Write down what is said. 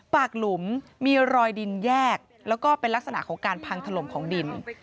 หลุมมีรอยดินแยกแล้วก็เป็นลักษณะของการพังถล่มของดิน